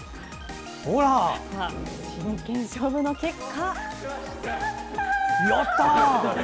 真剣勝負の結果。